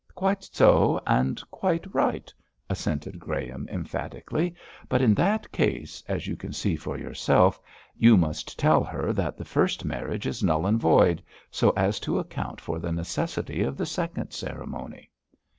'Quite so, and quite right,' assented Graham, emphatically; 'but in that case, as you can see for yourself, you must tell her that the first marriage is null and void, so as to account for the necessity of the second ceremony.'